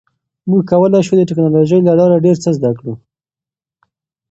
موږ کولی شو د ټکنالوژۍ له لارې ډیر څه زده کړو.